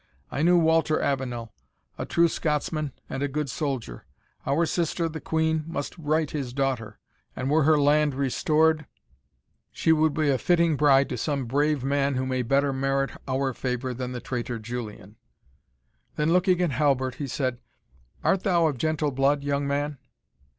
I knew Walter Avenel, a true Scotsman and a good soldier. Our sister, the Queen, must right his daughter; and were her land restored, she would be a fitting bride to some brave man who may better merit our favour than the traitor Julian." Then looking at Halbert, he said, "Art thou of gentle blood, young man?"